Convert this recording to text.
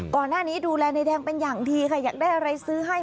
ก่อนหน้านี้ดูแลนายแดงเป็นอย่างดีค่ะอยากได้อะไรซื้อให้